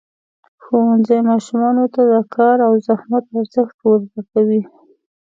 ښوونځی ماشومانو ته د کار او زحمت ارزښت ورزده کوي.